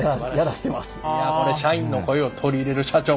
いやこれ社員の声を取り入れる社長